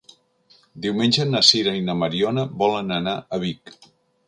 Diumenge na Sira i na Mariona volen anar a Vic.